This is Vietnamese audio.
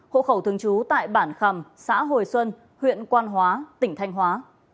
hộ khẩu thường trú tại bản khầm xã hồi xuân huyện quan hóa tỉnh thanh hóa